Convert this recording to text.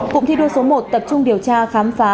cụm thi đua số một tập trung điều tra khám phá